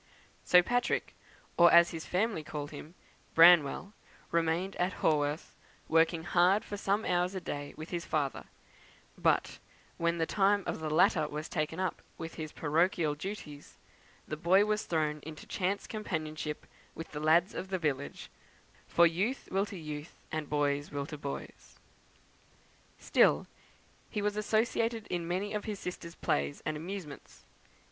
So Patrick, or as his family called him Branwell, remained at Haworth, working hard for some hours a day with his father; but, when the time of the latter was taken up with his parochial duties, the boy was thrown into chance companionship with the lads of the village for youth will to youth, and boys will to boys. Still, he was associated in many of his sisters' plays and amusements.